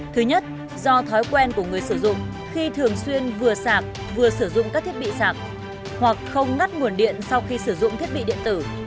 thứ nhất do thói quen của người sử dụng khi thường xuyên vừa sạc vừa sử dụng các thiết bị sạc hoặc không ngắt nguồn điện sau khi sử dụng thiết bị điện tử